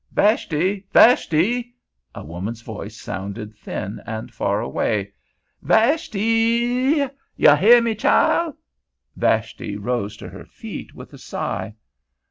"Vashty! Vashty!" a woman's voice sounded thin and far away. "Vashty y! Yo' heah me, chile?" Vashti rose to her feet with a sigh.